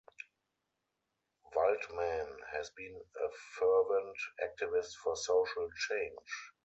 Waldman has been a fervent activist for social change.